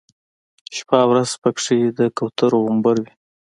شپه او ورځ په کې د کوترو غومبر وي.